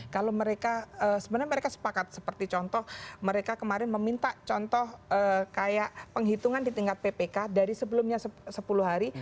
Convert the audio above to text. kalau mereka sebenarnya mereka sepakat seperti contoh mereka kemarin meminta contoh kayak penghitungan di tingkat ppk dari sebelumnya sepuluh hari